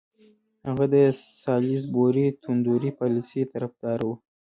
هغه د سالیزبوري توندروي پالیسۍ طرفدار وو.